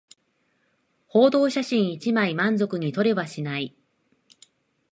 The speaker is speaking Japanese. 報道写真一枚満足に撮れはしない